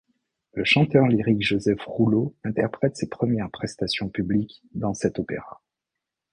Le chanteur lyrique Joseph Rouleau interprète ses premières prestations publiques dans cet opéra.